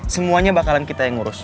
semuanya bakalan kita yang ngurus